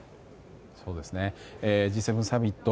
Ｇ７サミット